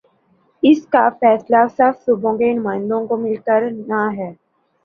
اس کا فیصلہ سب صوبوں کے نمائندوں کو مل کر نا ہے۔